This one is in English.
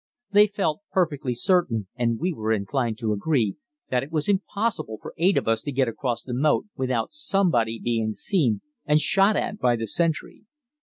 They felt perfectly certain, and we were inclined to agree, that it was impossible for eight of us to get across the moat without someone being seen and shot at by the sentry.